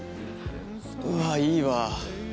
うわぁいいわ。